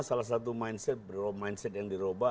salah satu mindset yang dirubah